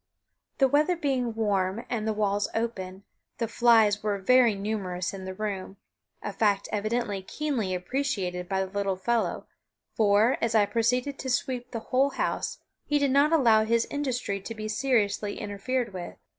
The weather being warm, and the walls open, the flies were very numerous in the room, a fact evidently keenly appreciated by the little fellow, for, as I proceeded to sweep the whole house he did not allow his industry to be seriously interfered with.